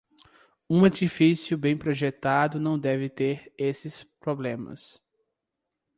Um edifício bem projetado não deve ter esses problemas.